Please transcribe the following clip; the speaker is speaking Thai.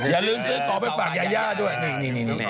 อย่าลืมซื้อของไปฝากยาย่าด้วยนี่